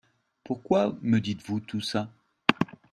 Pourquoi me dites-vous tout ça ?